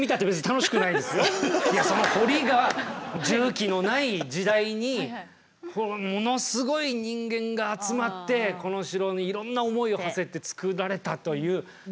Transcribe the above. いやその堀が重機のない時代にものすごい人間が集まってこの城にいろんな思いをはせて造られたという。